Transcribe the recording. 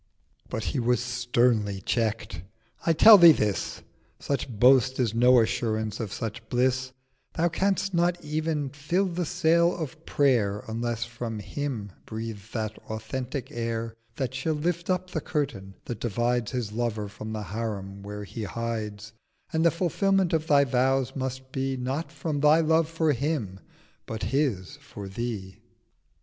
But he was sternly checkt. 'I tell thee this: Such Boast is no Assurance of such Bliss: Thou canst not even fill the sail of Prayer Unless from Him breathe that authentic Air That shall lift up the Curtain that divides 760 His Lover from the Harim where He hides— And the Fulfilment of thy Vows must be, Not from thy Love for Him, but His for Thee.'